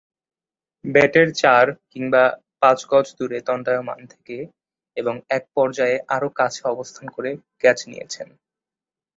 ব্যাটের চার কিংবা পাঁচ গজ দূরে দণ্ডায়মান থেকে এবং এক পর্যায়ে আরও কাছে অবস্থান করে ক্যাচ নিয়েছেন।